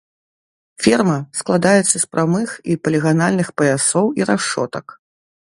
Ферма складаецца з прамых і паліганальных паясоў і рашотак.